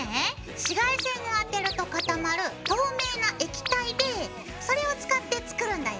紫外線を当てると固まる透明な液体でそれを使って作るんだよ。